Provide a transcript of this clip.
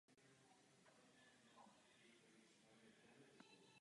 Fallen Astronaut je pravděpodobně jediným uměleckým dílem umístěným na povrchu Měsíce.